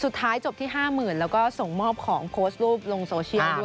สุดท้ายจบที่๕๐๐๐แล้วก็ส่งมอบของโพสต์รูปลงโซเชียลด้วย